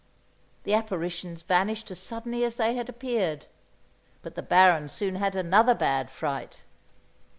The apparitions vanished as suddenly as they had appeared; but the Baron soon had another bad fright.